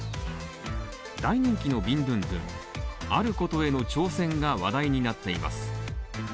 大人気のビンドゥンドゥンあることへの挑戦が話題になっています。